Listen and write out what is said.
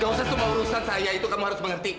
gak usah semua urusan saya itu kamu harus mengerti